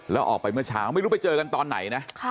แล้วออกไปเมื่อเช้าไม่รู้ไปเจอกันตอนไหนนะ